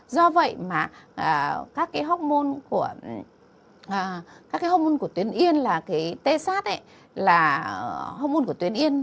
do vậy mà các cái hormôn của tuyến yên là cái tê sát ấy là hormôn của tuyến yên